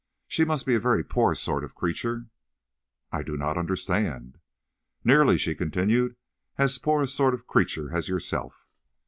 She must be a very poor sort of creature." "I do not understand." "Nearly," she continued, "as poor a sort of creature as yourself."